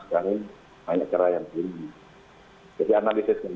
termasuk karyawan yang dimana sekali banyak kerah yang piring